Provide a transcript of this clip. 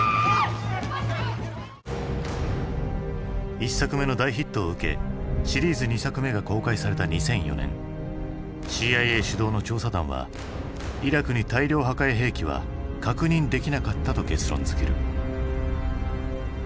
１作目の大ヒットを受けシリーズ２作目が公開された２００４年ＣＩＡ主導の調査団はイラクに大量破壊兵器は確認できなかったと結論づける。